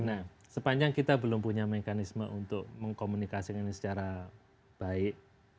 nah sepanjang kita belum punya mekanisme untuk mengkomunikasikan ini secara baik